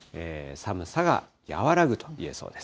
寒さが和らぐと言えそうです。